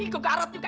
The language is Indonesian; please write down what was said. gua garot juga